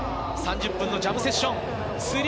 ３０分のジャムセッション。